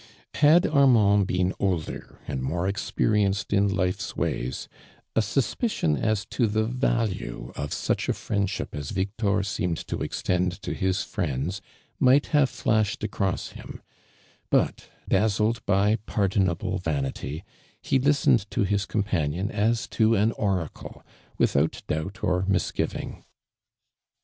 Had Armand been oUler and more ex perienced in life's ways, a suspicion as to the value of such a friendship as Victor seemed to extend to his friends might have flashed across him, but dazzled by pardonable vanity, he listened to his companion as to an oracle, without doubt or misgiving.